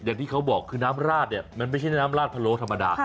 อย่างที่เขาบอกคือน้ำราดเนี่ยมันไม่ใช่น้ำลาดพะโล้ธรรมดา